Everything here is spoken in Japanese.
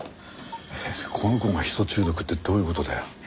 この子がヒ素中毒ってどういう事だよ？